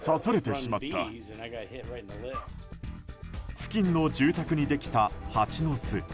付近の住宅にできたハチの巣。